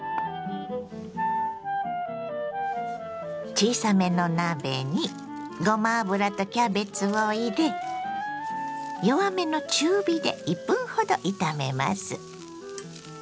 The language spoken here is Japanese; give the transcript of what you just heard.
小さめの鍋にごま油とキャベツを入れ弱めの中火で１分ほど炒めます。